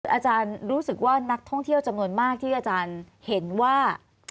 อาจารย์รู้สึกว่านักท่องเที่ยวจำนวนมากที่อาจารย์เห็นว่า